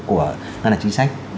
của ngân hàng chính sách